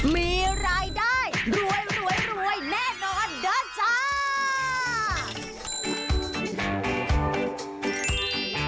มีรายได้รวยแน่นอนเด้อจ้า